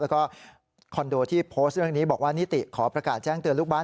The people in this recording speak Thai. แล้วก็คอนโดที่โพสต์เรื่องนี้บอกว่านิติขอประกาศแจ้งเตือนลูกบ้าน